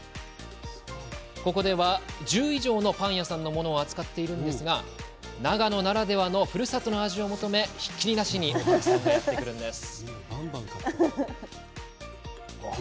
ここでは１０以上のパン屋さんのものを扱っているんですが長野ならではのふるさとの味を求めひっきりなしにお客さんがやって来るんです。